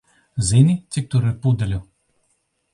Zini, cik tur ir pudeļu?